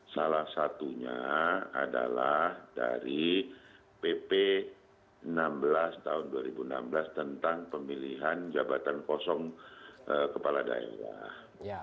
salah satunya adalah dari pp enam belas tahun dua ribu enam belas tentang pemilihan jabatan kosong kepala daerah